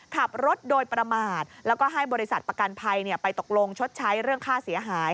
ขับรถโดยประมาทแล้วก็ให้บริษัทประกันภัยไปตกลงชดใช้เรื่องค่าเสียหาย